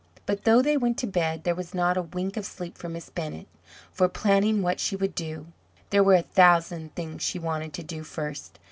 But though they went to bed, there was not a wink of sleep for Miss Bennett, for planning what she would do. There were a thousand things she wanted to do first.